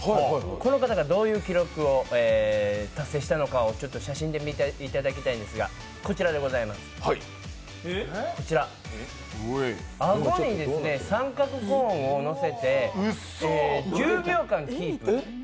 この方がどういう記録を達成したのかを写真で見ていただきたいんですがこちら、顎に三角コーンをのせて１０秒間キープ。